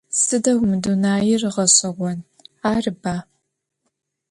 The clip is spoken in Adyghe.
Сыдэу мы дунаир гъэшӏэгъон, арыба?